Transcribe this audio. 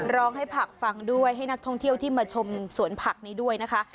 ร้องให้ผักฟังด้วยให้นักท่องเที่ยววิทยาศาสตร์ด้วยนะคะ